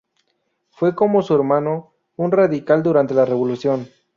Fue, como su hermano, un radical durante la Revolución.